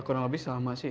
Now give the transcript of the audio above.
kurang lebih sama sih